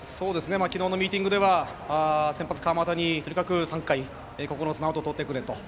昨日のミーティングでは先発、川又にとにかく３回９つのアウトをとってくれと。